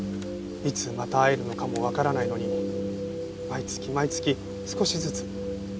いつまた会えるのかもわからないのに毎月毎月少しずつ。